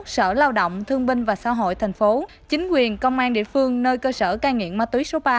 sở lao động thương binh và xã hội thành phố chính quyền công an địa phương nơi cơ sở cai nghiện ma túy số ba